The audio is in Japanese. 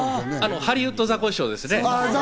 ハリウッドザコシショウです。